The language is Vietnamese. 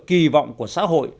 kỳ vọng của xã hội